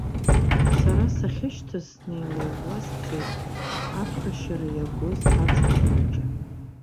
Сара сахьышьҭаз снеилыууаа сцеит, аԥхашьара иагоз аӡӷаб хәыҷы.